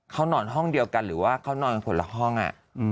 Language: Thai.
เขานอนห้องเดียวกันหรือว่าเขานอนผลละห้อง